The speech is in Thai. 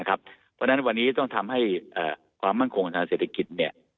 เพราะฉะนั้นวันนี้ต้องทำให้ความมั่นคงทางเศรษฐกิจ